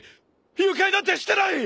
誘拐なんてしてない！